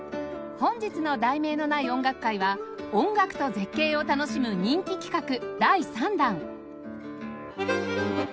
本日の『題名のない音楽会』は音楽と絶景を楽しむ人気企画第３弾！